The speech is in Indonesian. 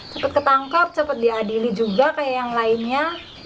cepat ketangkap cepat diadili juga kayak yang lainnya